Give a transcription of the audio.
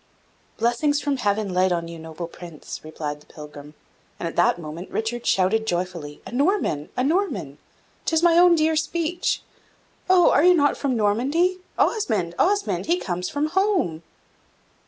"Blessings from Heaven light on you, noble Prince," replied the pilgrim, and at that moment Richard shouted joyfully, "A Norman, a Norman! 'tis my own dear speech! Oh, are you not from Normandy? Osmond, Osmond! he comes from home!"